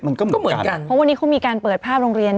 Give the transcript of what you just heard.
มันก็เหมือนกันเพราะวันนี้เขามีการเปิดภาพโรงเรียน